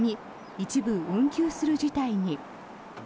一部運休する事態に。